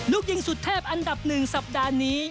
ลูกยิงสุดเทพอันดับ๑สัปดาห์นี้